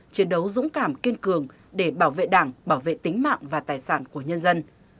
chiến đấu dũng cảm kiên cường để bảo vệ đảng bảo vệ tính mạng và tài sản của nhân dân